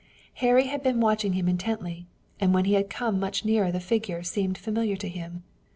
Harry had been watching him intently, and when he had come much nearer the figure seemed familiar to him.